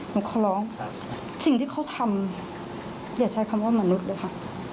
หนูขอร้องสิ่งที่เขาทำเนี่ยอย่าใช้คำว่ามนุษย์เลยค่ะ